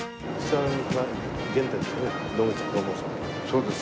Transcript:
そうです。